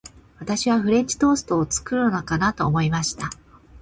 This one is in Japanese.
私はフレンチトーストを作るのかなと思いました。